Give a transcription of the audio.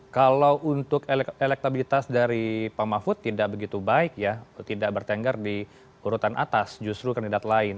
kalau untuk elektabilitas dari pak mahfud tidak begitu baik ya tidak bertengger di urutan atas justru kandidat lain